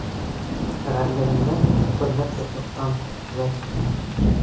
— Ғәрлегемдән, хөрмәт юҡлыҡтан, вәт!